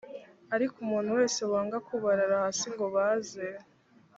ariko umuntu wese wanga kubarara hasi ngo baze